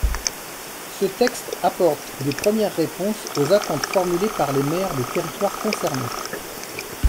Ce texte apporte des premières réponses aux attentes formulées par les maires des territoires concernés.